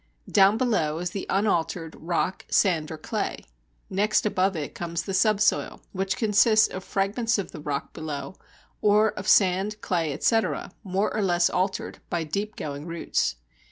Down below is the unaltered rock, sand, or clay. Next above it comes the subsoil, which consists of fragments of the rock below, or of sand, clay, etc., more or less altered by deep going roots.